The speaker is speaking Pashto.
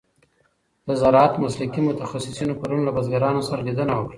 د زراعت مسلکي متخصصینو پرون له بزګرانو سره لیدنه وکړه.